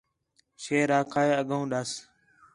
شیر آکھا ہِِے اڳّوں ݙَس